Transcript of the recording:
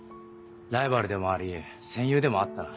ライバルでもあり戦友でもあったな。